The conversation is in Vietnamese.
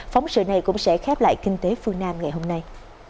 phóng sự này cũng sẽ khép lại kinh tế phương nam ngày hôm nay